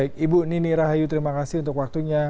baik ibu nini rahayu terima kasih untuk waktunya